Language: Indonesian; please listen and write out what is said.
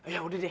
ya udah deh